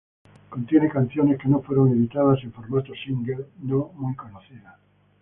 Contiene canciones que no fueron editadas en formato single, no muy conocidas.